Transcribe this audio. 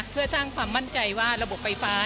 เพื่อสร้างความมั่นใจว่าระบบไฟฟ้า